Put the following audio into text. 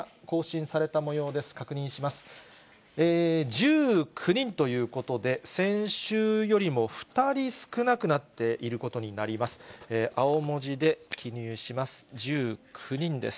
１９人ということで、先週よりも２人少なくなっていることになります。